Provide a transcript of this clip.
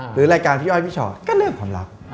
หรือรายการพี่อ้อยพี่ชอตก็เรื่องความรัก